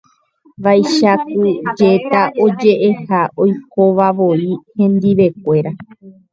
Vaicha ku jéta ojeʼeha oikovavoi hendivekuéra.